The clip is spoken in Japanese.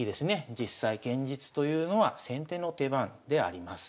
実際現実というのは先手の手番であります。